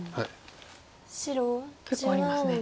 結構ありますね。